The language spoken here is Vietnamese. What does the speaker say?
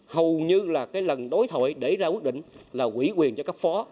hầu như là cái lần đối thoại để ra quyết định là quỹ quyền cho cấp phó